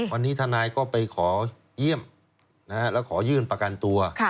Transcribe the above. วันนี้ทนายก็ไปขอเยี่ยมแล้วขอยื่นประกันตัว